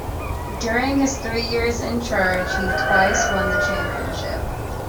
During his three years in charge, he twice won the championship.